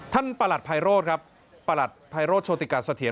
ท่านประหลัดภัยโรศครับประหลัดภัยโรศโชติกัตรเสถียร